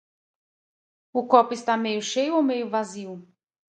O copo está meio cheio ou meio vazio?